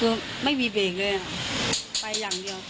คือไม่มีเบรกเลยอ่ะไปอย่างเดียว